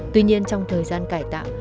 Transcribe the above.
tuy nhiên trong thời gian cải tạo